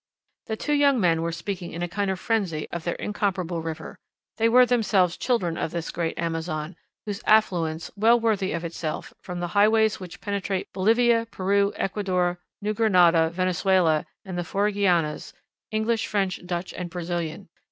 The two young men were speaking in a kind of frenzy of their incomparable river. They were themselves children of this great Amazon, whose affluents, well worthy of itself, from the highways which penetrate Bolivia, Peru, Ecuador, New Grenada, Venezuela, and the four Guianas English, French, Dutch and Brazilian.